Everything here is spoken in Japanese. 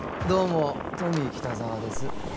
どうもトミー北沢です。